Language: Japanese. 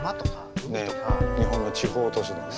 日本の地方都市のね。